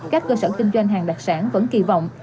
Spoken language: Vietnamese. các cơ sở kinh doanh hàng đặc sản vẫn kỳ vọng